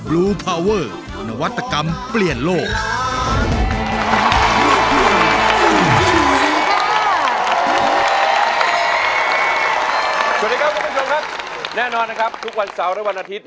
ลูกทุ่งสู้ชีวิต